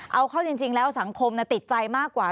เอาเข้าจริงแล้วสังคมติดใจมากกว่า